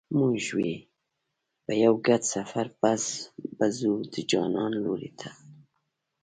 موږ وې په یو ګډ سفر به ځو د جانان لوري ته